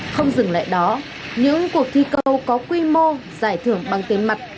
không dừng lại đó những cuộc thi câu có quy mô giải thưởng bằng tên mặt